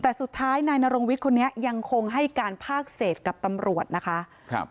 แต่สุดท้ายนายนรงวิทย์คนนี้ยังคงให้การภาคเศษกับตำรวจนะคะครับ